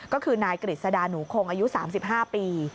ก็คือนายกฤษดาหนูคงอายุ๓๕ปี